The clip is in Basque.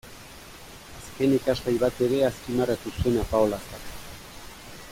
Azken ikasgai bat ere azpimarratu zuen Apaolazak.